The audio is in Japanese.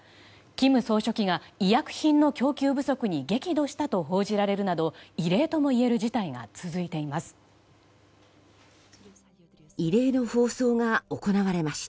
金総書記が医薬品の供給不足に激怒したと報じられるなど異例ともいえる事態が続いています。